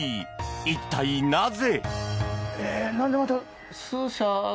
一体、なぜ？